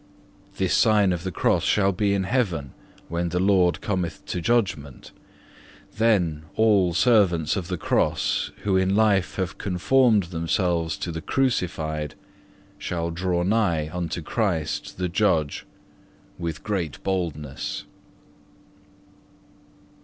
This sign of the Cross shall be in heaven when the Lord cometh to Judgment. Then all servants of the Cross, who in life have conformed themselves to the Crucified, shall draw nigh unto Christ the Judge with great boldness.